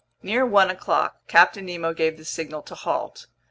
Near one o'clock, Captain Nemo gave the signal to halt.